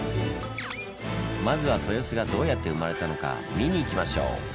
まずは豊洲がどうやって生まれたのか見に行きましょう。